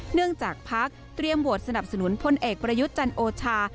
เนื่องจากพักเตรียมโหวตสนับสนุนพลเอกประยุทธ์จันโอชา